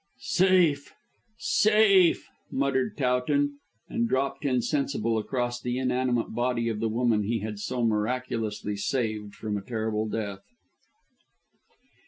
"Safe! Safe!" muttered Towton, and dropped insensible across the inanimate body of the woman he had so miraculously saved from a terrible death.